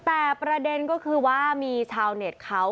แต่ประเด็นก็คือว่ามีชาวเน็ตเขา